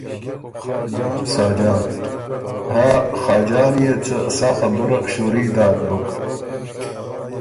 ساجان ـــ”ها خاجان يې څه سا خبُره شُوري داک بُک“